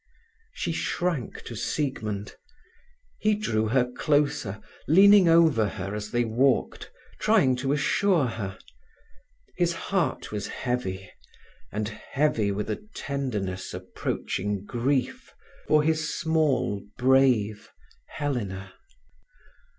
She shrank to Siegmund. He drew her closer, leaning over her as they walked, trying to assure her. His heart was heavy, and heavy with a tenderness approaching grief, for his small, brave Helena.